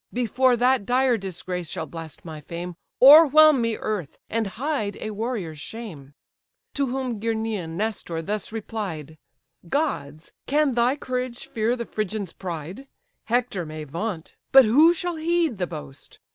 Before that dire disgrace shall blast my fame, O'erwhelm me, earth; and hide a warrior's shame!" To whom Gerenian Nestor thus replied: "Gods! can thy courage fear the Phrygian's pride? Hector may vaunt, but who shall heed the boast?